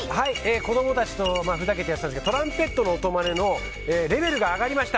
子供たちとふざけてですけどトランペットの音まねのレベルが上がりました。